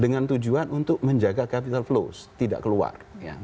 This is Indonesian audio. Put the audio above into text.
dengan tujuan untuk menjaga capital flows tidak keluar